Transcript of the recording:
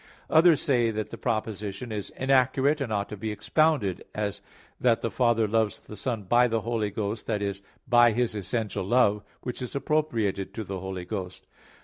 Others say that the proposition is inaccurate and ought to be expounded, as that "the Father loves the Son by the Holy Ghost" that is, "by His essential Love," which is appropriated to the Holy Ghost.